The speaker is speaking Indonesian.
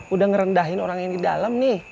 udah ngerendahin orang yang ke dalam nih